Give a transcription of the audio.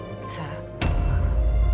kakak kamu diculik